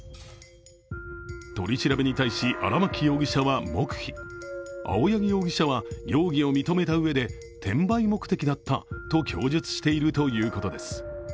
取り調べに対し、荒巻容疑者は黙秘青柳容疑者は容疑を認めたうえで転売目的だったと供述しているということです。